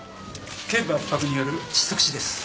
頸部圧迫による窒息死です